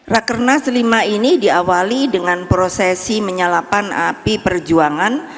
rakernas lima ini diawali dengan prosesi menyalakan api perjuangan